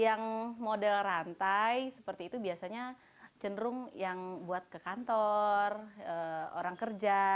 yang model rantai seperti itu biasanya cenderung yang buat ke kantor orang kerja